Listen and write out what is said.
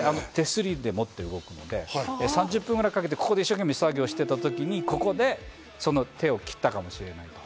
手すりで持って動くので３０分ぐらいかけてここで一生懸命、作業をしていた時に手を切ったかもしれないと。